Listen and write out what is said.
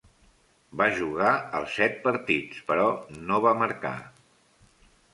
Va jugar els set partits, però no va marcar.